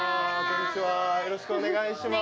よろしくお願いします。